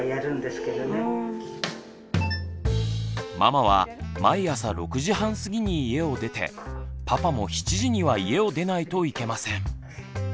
ママは毎朝６時半過ぎに家を出てパパも７時には家を出ないといけません。